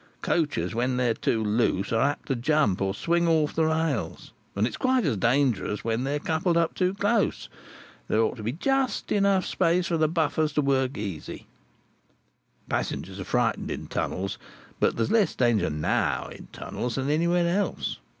Coaches when they're too loose are apt to jump, or swing off the rails; and it's quite as dangerous when they're coupled up too close. There ought to be just space enough for the buffers to work easy. Passengers are frightened in tunnels, but there's less danger, now, in tunnels than anywhere else.